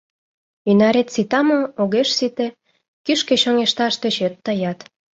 Ӱнарет сита мо, огеш сите — кӱшкӧ чоҥешташ тӧчет тыят.